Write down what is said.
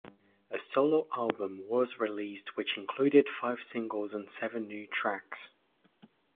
A solo album was released which included five singles and seven new tracks.